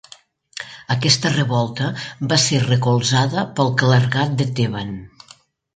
Aquesta revolta va ser recolzada pel clergat Theban.